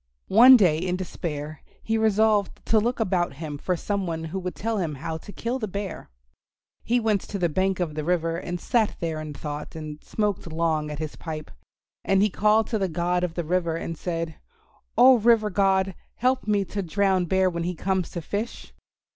One day in despair he resolved to look about him for some one who would tell him how to kill the Bear. He went to the bank of the river and sat there in thought and smoked long at his pipe. And he called to the God of the River and said, "Oh, River God, help me to drown Bear when he comes to fish."